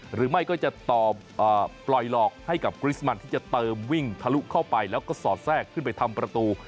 หรือไม่ก็จะต่อปล่อยหลอกให้กับกริสมันที่จะเติมวิ่งทะลุเข้าไปแล้วก็สอดแทรกขึ้นไปทำประตู